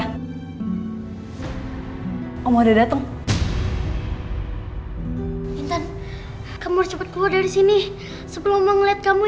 hai om udah dateng hai intan kamu cepet keluar dari sini sebelum ngeliat kamu